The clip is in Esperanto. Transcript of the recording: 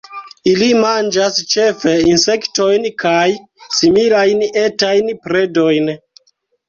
Ili manĝas ĉefe insektojn kaj similajn etajn predojn.